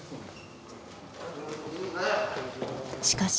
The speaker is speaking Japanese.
しかし。